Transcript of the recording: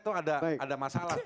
itu ada masalah